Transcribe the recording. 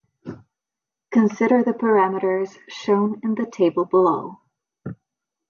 Consider the parameters shown in the table below.